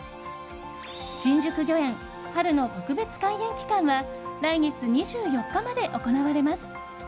新宿御苑、春の特別開園期間は来月２４日まで行われます。